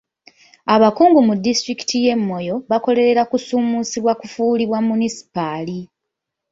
Abakungu mu disitulikiti y'e Moyo bakolerera kusuumusibwa kufuulibwa munisipaali.